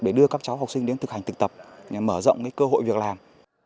để đưa các cháu học sinh đến thực hành thực tập mở rộng cơ hội việc làm